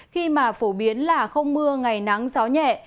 khi mà phổ biến là không mưa ngày nắng gió nhẹ